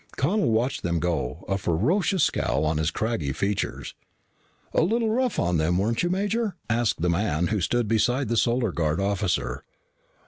Connel watched them go, a ferocious scowl on his craggy features. "Little rough on them, weren't you, Major?" asked the man who stood beside the Solar Guard officer.